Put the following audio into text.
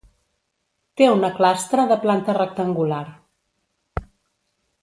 Té una clastra de planta rectangular.